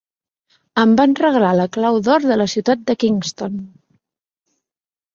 Em van regalar la clau d'or de la ciutat de Kingston.